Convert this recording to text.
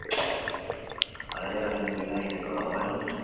Hala ere, oraindik bidea egiteko dagoela uste dute.